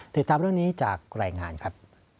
ติดตามเรื่องนี้จากรายงานครับ